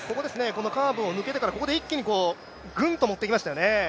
カーブを抜けてから一気に、ぐんと持っていきましたよね。